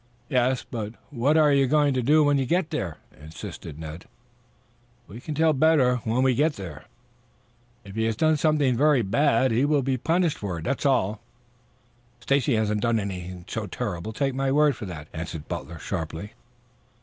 "Yes, but what are you going to do when you get there?" insisted Ned. "We can tell better when we get there." "If he has done something very bad he will be punished for it, that's all." "Stacy hasn't done anything so terrible. Take my word for that," answered Butler sharply.